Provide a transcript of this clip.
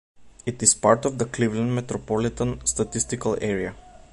It is part of the Cleveland Metropolitan Statistical Area.